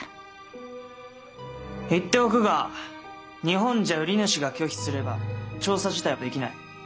言っておくが日本じゃ売り主が拒否すれば調査自体はできない。